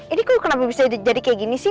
ini kok kenapa bisa jadi kayak gini sih